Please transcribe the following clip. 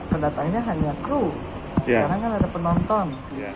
pendataannya hanya kru sekarang kan ada penonton